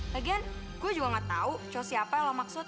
lagian gue juga gak tau cowok siapa yang lo maksud